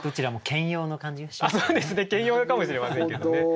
兼用かもしれませんけどね。